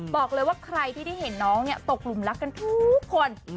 บอกเลยว่าใครที่ได้เห็นน้องเนี่ยตกหลุมรักกันทุกคน